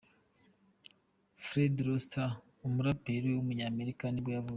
Fredro Starr, umuraperi w’umunyamerika nibwo yavutse.